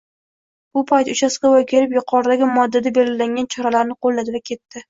Bir payt uchastkavoy kelib yuqoridagi moddada belgilangan choralarni qo‘lladi va ketdi.